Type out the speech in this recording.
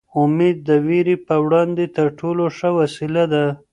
امېد د وېرې په وړاندې تر ټولو ښه وسله ده.